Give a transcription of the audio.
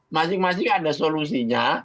masing masing ada solusinya